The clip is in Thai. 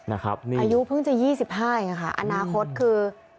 อายุเพิ่งจะ๒๕อาณาคตคือ